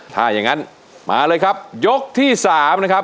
ถ้าอย่างนั้นมาเลยครับยกที่๓นะครับ